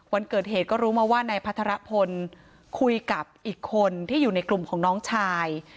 วันเกิดเหตุก็รู้มาว่านายพัทรพลคุยกับอีกคนที่อยู่ในกลุ่มของน้องชาย